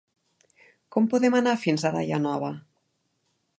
Com podem anar fins a Daia Nova?